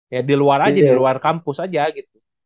ya di luar aja di luar kampus aja gitu